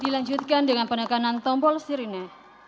dilanjutkan dengan penekanan tombol sirine